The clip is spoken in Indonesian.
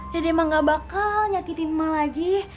dede emak gak bakal nyakitin emak lagi